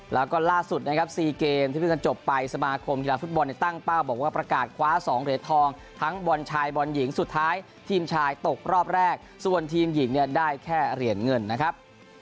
แล้วก็ล่าสุดนะครับ๔เกมที่เพิ่งจะจบไปสมาคมกีฬาฟุตบอลในตั้งเป้าบอกว่าประกาศคว้า๒เหรียญทองทั้งบอลชายบอลหญิงสุดท้ายทีมชายตกรอบแรกส่วนทีมหญิงเนี่ยได้แค่เหรียญเงินนะครับ